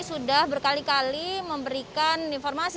sudah berkali kali memberikan informasi